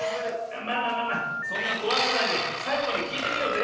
まあまあそんなこわがらないでさいごまできいてみようぜ。